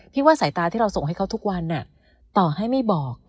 ว่าสายตาที่เราส่งให้เขาทุกวันต่อให้ไม่บอก